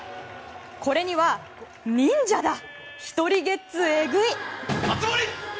これには忍者だ、１人ゲッツーえぐい！